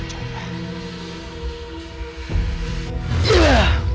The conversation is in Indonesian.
jangan gitu coba